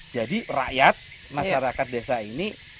jadi rakyat masyarakat desa ini